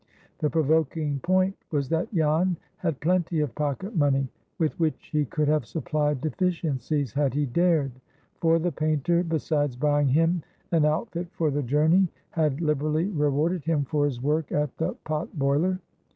The provoking point was that Jan had plenty of pocket money, with which he could have supplied deficiencies, had he dared; for the painter, besides buying him an outfit for the journey, had liberally rewarded him for his work at the pot boiler.